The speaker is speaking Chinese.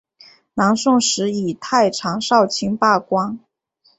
南宋时以太常少卿罢官。